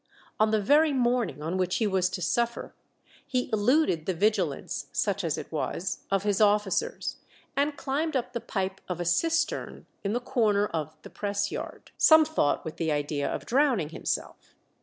On the very morning on which he was to suffer he eluded the vigilance, such as it was, of his officers, and climbed up the pipe of a cistern in the corner of the press yard; some thought with the idea of drowning himself.